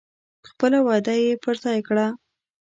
خپله وعده یې پر ځای کړه.